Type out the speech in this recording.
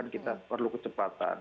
kita perlu kecepatan